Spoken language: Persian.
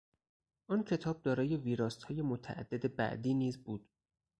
آن کتاب دارای ویراستهای متعدد بعدی نیز بود.